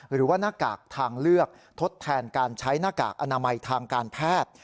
หน้ากากทางเลือกทดแทนการใช้หน้ากากอนามัยทางการแพทย์